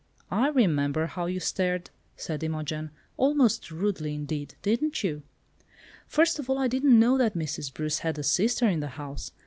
"I remember how you stared," said Imogen; "almost rudely, indeed. Didn't you?" "First of all, I didn't know that Mrs. Bruce had a sister in the house.